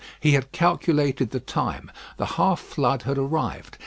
He had calculated the time. The half flood had arrived.